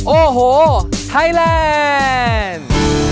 โอ้โหไทยแลนด์